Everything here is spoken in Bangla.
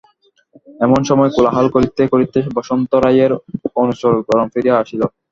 এমন সময় কোলাহল করিতে করিতে বসন্ত রায়ের অনুচরগণ ফিরিয়া আসিল।